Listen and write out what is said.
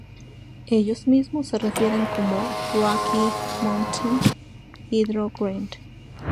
Ellos mismos se refieren como "Rocky Mountain Hydro grind".